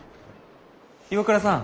岩倉さん。